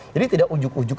jadi tidak ujug ujug